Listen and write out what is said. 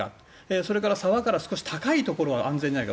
それから沢から少し高いところは安全じゃないか。